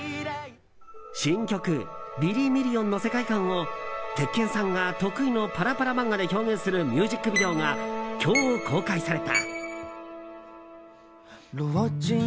新曲「ビリミリオン」の世界観を鉄拳さんが得意のパラパラ漫画で表現するミュージックビデオが今日、公開された。